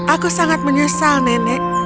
aku sangat menyesal nenek